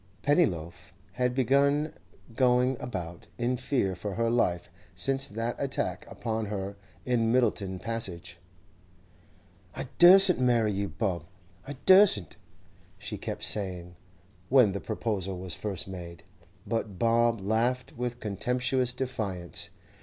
Pennyloaf had been going about in fear for her life since that attack upon her in Myddelton Passage. 'I dursn't marry you, Bob! I dursn't!' she kept saying, when the proposal was first made. But Bob laughed with contemptuous defiance.